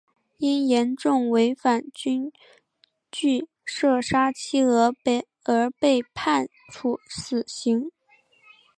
因严重违反军纪射杀妻儿而被判处死刑。